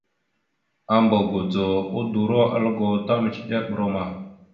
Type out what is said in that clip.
Ambogodzo udoróalgo ta micədere brom a.